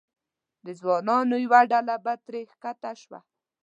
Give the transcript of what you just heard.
د ځوانانو یوه ډله به ترې ښکته شوه.